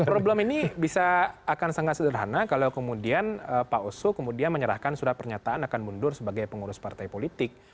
problem ini bisa akan sangat sederhana kalau kemudian pak oso kemudian menyerahkan surat pernyataan akan mundur sebagai pengurus partai politik